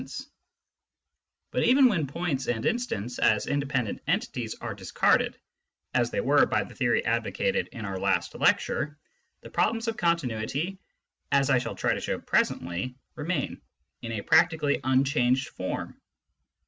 129 9 Digitized by Google I30 SCIENTIFIC METHOD IN PHILOSOPHY But even when points and instants, as independent entities, are discarded, as they were by the theory advocated in our last lecture, the problems of continuity, as I shall try to show presently, remain, in a practically unchanged form.